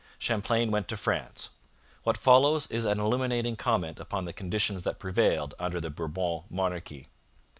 Champlain went to France. What follows is an illuminating comment upon the conditions that prevailed under the Bourbon monarchy.